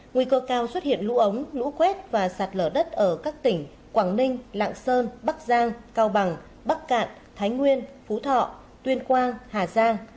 nguy cơ cao xuất hiện lũ ống lũ quét và sạt lở đất ở các tỉnh quảng ninh lạng sơn bắc giang cao bằng bắc cạn thái nguyên phú thọ tuyên quang hà giang